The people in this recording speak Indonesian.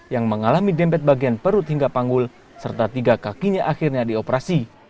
yang mengalami dempet bagian perut hingga panggul serta tiga kakinya akhirnya dioperasi